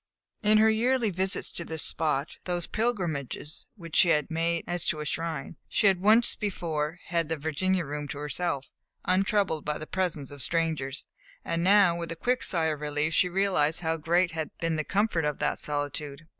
In her yearly visits to this spot, those pilgrimages which she had made as to a shrine, she had once before had the Virginia Room to herself, untroubled by the presence of strangers; and now with a quick sigh of relief she realized how great had been the comfort of that solitude.